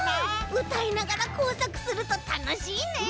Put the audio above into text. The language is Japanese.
うたいながらこうさくするとたのしいね。